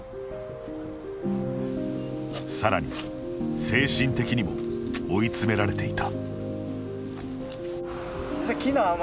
さらに、精神的にも追い詰められていた。